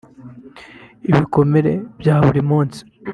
ibikomere bya buri munsi